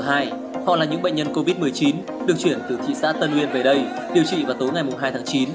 họ là những bệnh nhân covid một mươi chín được chuyển từ thị xã tân nguyên về đây điều trị vào tối ngày hai tháng chín